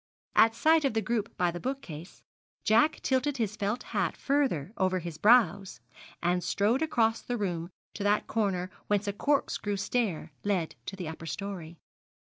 At sight of the group by the bookcase, Jack tilted his felt hat further over his brows, and strode across the room to that corner whence a cork screw stair led to the upper story.